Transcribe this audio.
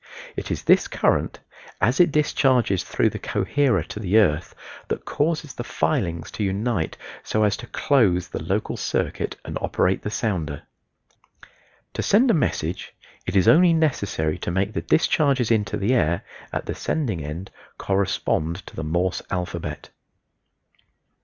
It is this current, as it discharges through the coherer to the earth, that causes the filings to unite so as to close the local circuit and operate the sounder. To send a message it is only necessary to make the discharges into the air, at the sending end, correspond to the Morse alphabet.